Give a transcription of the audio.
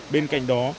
bên cạnh đó